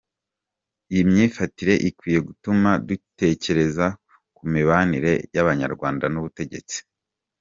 Iyi myifatire ikwiye gutuma dutekereza ku mibanire y’abanyarwanda n’ubutegetsi.